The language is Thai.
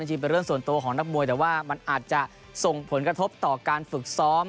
จริงเป็นเรื่องส่วนตัวของนักมวยแต่ว่ามันอาจจะส่งผลกระทบต่อการฝึกซ้อม